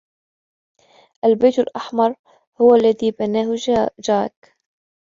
البيت الأحمر هو الذي بناه جاك.